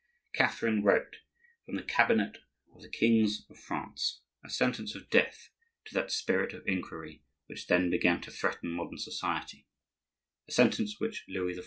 Catherine wrote, from the cabinet of the kings of France, a sentence of death to that spirit of inquiry which then began to threaten modern society; a sentence which Louis XIV.